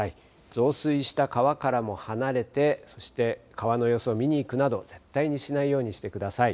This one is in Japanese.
増水した川からも離れて、そして川の様子を見に行くなど、絶対にしないようにしてください。